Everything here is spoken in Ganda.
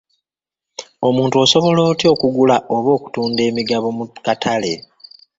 Omuntu asobola atya okugula oba okutunda emigabo mu katale?